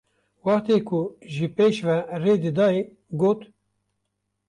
Wextê ku ji pêş ve rê didayê got: